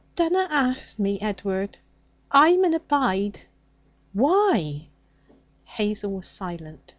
'Dunnat ask me, Ed'ard! I mun bide.' 'Why?' Hazel was silent.